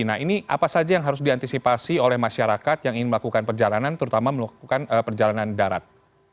nah ini apa saja yang harus diantisipasi oleh masyarakat yang ingin melakukan perjalanan terutama melakukan perjalanan darat